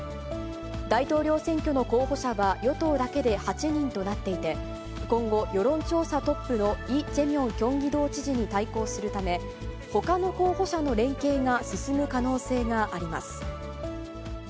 大統領選挙の候補者は与党だけで８人となっていて、今後、世論調査トップのイ・ジェミョンキョンギド知事に対抗するため、ほかの候補者の連携が進む可能性があります。